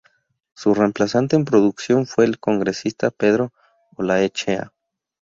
Su reemplazante en Producción fue el congresista Pedro Olaechea.